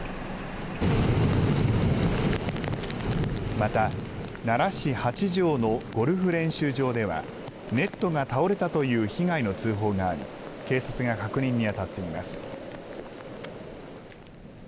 また、奈良市八条のゴルフ練習場では、ネットが倒れたという被害の通報があり、警察が確認に当たっています。